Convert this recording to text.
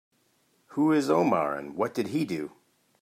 Who is Omar and what did he do?